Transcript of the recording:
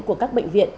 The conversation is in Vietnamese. của các bệnh viện